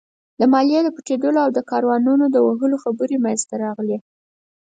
د ماليې د پټېدو او د کاروانونو د وهلو خبرې مينځته راغلې.